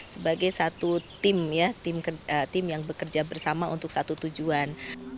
sebagai satu tim ya tim yang bekerja bersama untuk satu tujuan